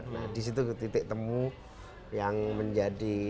nah disitu titik temu yang menjadi